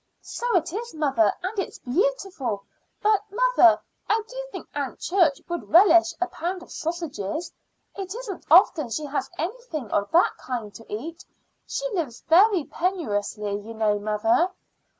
"So it is, mother; and it's beautiful. But, mother, I do think Aunt Church would relish a pound of sausages. It isn't often she has anything of that kind to eat; she lives very penuriously, you know, mother."